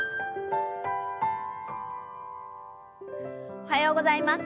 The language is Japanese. おはようございます。